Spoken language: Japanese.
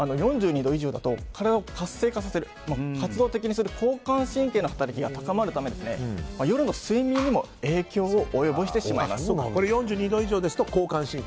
４２度以上だと体を活性化させる活動的にする、交感神経の働きが高まるため、夜の睡眠にも影響を及ぼしてしまいます。